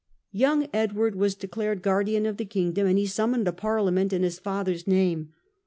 Young Edward was declared guardian of the kingdom, ".nd he summoned a parliament in his father's name.